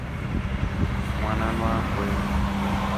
Mwananuu wakwe.